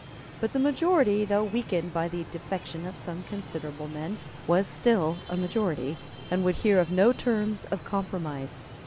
But the majority, though weakened by the defection of some considerable men, was still a majority, and would hear of no terms of compromise.